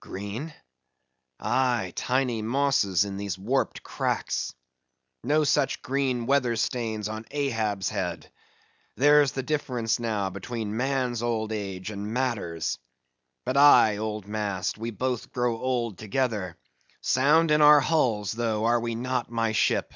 —green? aye, tiny mosses in these warped cracks. No such green weather stains on Ahab's head! There's the difference now between man's old age and matter's. But aye, old mast, we both grow old together; sound in our hulls, though, are we not, my ship?